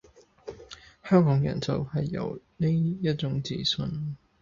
香港人就係有呢一種自信